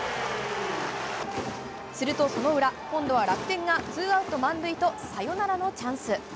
するとその裏、今度は楽天がツーアウト満塁とサヨナラのチャンス。